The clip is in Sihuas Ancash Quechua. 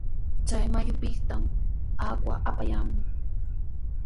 Chay mayupitami aqu apayaamun.